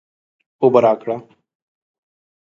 اوبه راکړه